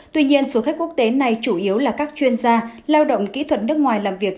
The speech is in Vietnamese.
tuy nhiên số khách quốc tế này chủ yếu là các chuyên gia lao động kỹ thuật nước ngoài làm việc